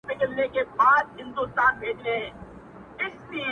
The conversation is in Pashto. چي ان د اختر په شپه هم